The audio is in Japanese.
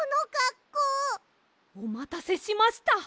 おまたせしました。